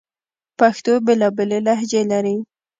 پښتو بیلابیلي لهجې لري